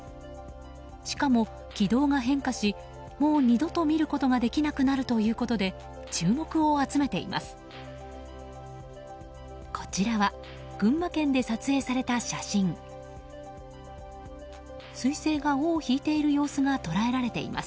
しかも軌道が変化しもう二度と見ることができなくなるとして注目を集めています。